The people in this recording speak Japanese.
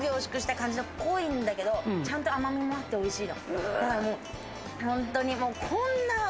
すごく凝縮した感じの、濃いんだけど、ちゃんと甘みもあっておいしいの。